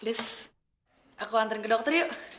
list aku antren ke dokter yuk